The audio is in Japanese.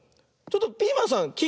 ちょっとピーマンさん